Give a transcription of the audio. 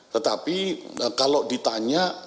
tetapi kalau ditanya